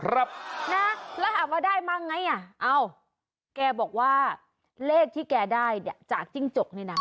ครับนะแล้วหากว่าได้มั้งไงเอ้าแกบอกว่าเลขที่แกได้จากจริงจกนี่นะ